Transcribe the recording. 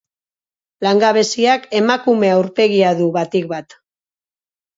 Langabeziak emakume aurpegia du, batik bat.